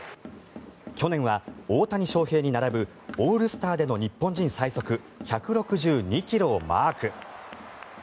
去年は大谷翔平に並ぶオールスターでの日本人最速１６２ｋｍをマーク。